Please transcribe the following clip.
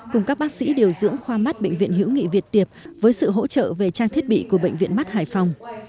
cùng các bác sĩ điều dưỡng khoa mắt bệnh viện hữu nghị việt tiệp với sự hỗ trợ về trang thiết bị của bệnh viện mắt hải phòng